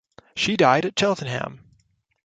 She died at Cheltenham.